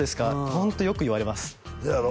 ホントよく言われますせやろ？